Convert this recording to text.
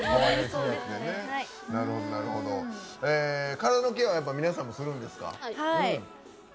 体のケアは皆さんするんですか？